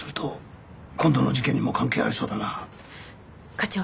課長。